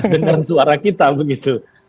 dengan suara kita begitu